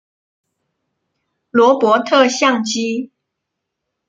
罗伯特像机。